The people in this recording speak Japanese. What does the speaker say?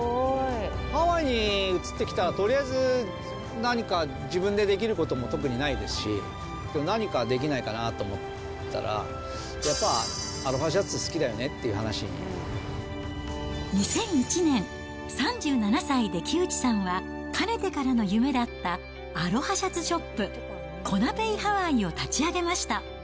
ハワイに移ってきた、とりあえず何か自分でできることも特にないですし、何かできないかなと思ったら、やっぱアロハシャツ好きだよねって２００１年、３７歳で木内さんは、かねてからの夢だったアロハシャツショップ、コナ・ベイ・ハワイを立ち上げました。